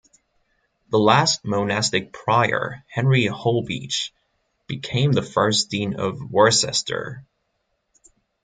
The last monastic Prior, Henry Holbeach, became the first Dean of Worcester.